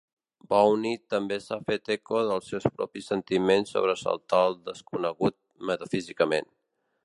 Bowie també s'ha fet eco dels seus propis sentiments sobre saltar al desconegut metafísicament.